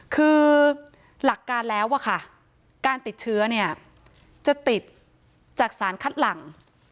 คือหลักการแล้วอะค่ะการติดเชื้อเนี่ยจะติดจากสารคัดหลัง